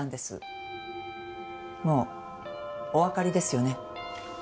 もうおわかりですよね？